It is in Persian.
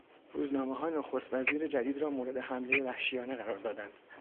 روزنامهها نخستوزیر جدید را مورد حملهی وحشیانه قرار دادند.